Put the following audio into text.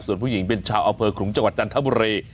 ส่วนผู้หญิงเป็นชาวอำเภอขลุงจังหวัดจันทบุรี